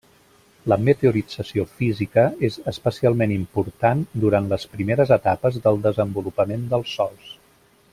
La meteorització física és especialment important durant les primeres etapes del desenvolupament dels sòls.